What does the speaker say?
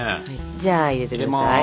じゃあ入れて下さい。